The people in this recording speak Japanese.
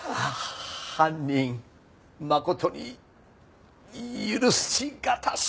犯人誠に許しがたし！